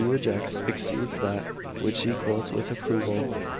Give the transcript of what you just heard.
CHAP, xxx rejects exceeds that which he quotes with approval."